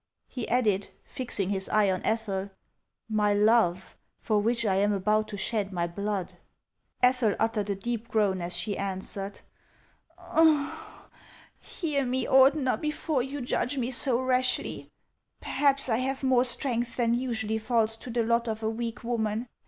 He added, fixing his eye on Ethel :" My love, for which I am about to shed my blood !" Ethel uttered a deep groan as she answered :" Hear me, Ordener, before you judge me so rashly. Perhaps I have more strength than usually falls to the lot of a weak woman.